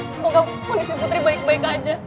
semoga kondisi putri baik baik aja